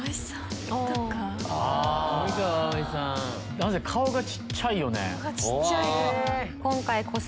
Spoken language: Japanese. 何せ顔が小っちゃいよね。